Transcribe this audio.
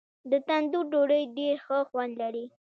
د تندور ډوډۍ ډېر ښه خوند لري.